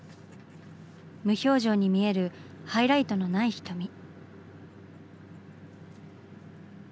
無表情に見えるハイライトのない瞳。